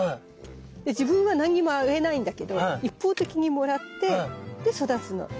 で自分は何にもあげないんだけど一方的にもらってで育つの。え。